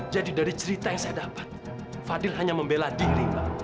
jadi dari cerita yang saya dapat fadil hanya membela diri mbak